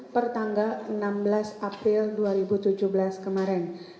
pertanggal enam belas april dua ribu tujuh belas kemarin